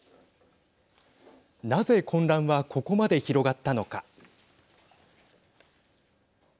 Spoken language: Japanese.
なぜ混乱はここまで広がったのか。